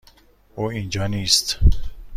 او اینجا نیست.